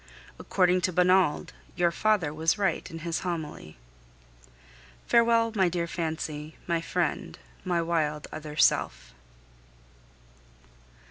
According to Bonald, your father was right in his homily. Farewell, my dear fancy, my friend, my wild other self.